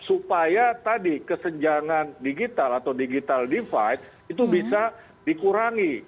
supaya tadi kesenjangan digital atau digital divide itu bisa dikurangi